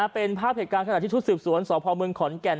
เป็นภาพเหตุการณ์ขนาดที่ทุกศิษย์สวนสพมขอนแก่น